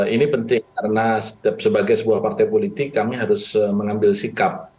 ini penting karena sebagai sebuah partai politik kami harus mengambil sikap